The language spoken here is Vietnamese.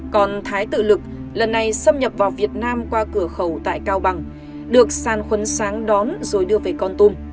còn thái tự lực lần này xâm nhập vào việt nam qua cửa khẩu tại cao bằng được san khuấn sáng đón rồi đưa về con tum